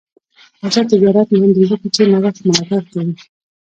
آزاد تجارت مهم دی ځکه چې نوښت ملاتړ کوي.